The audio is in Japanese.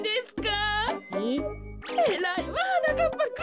えらいわはなかっぱくん。